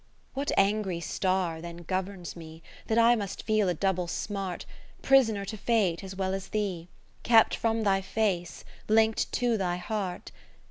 (548) III What angry star then governs me That I must feel a double smart, Prisoner to fate as well as thee ; Kept from thy face, link'd to thy heart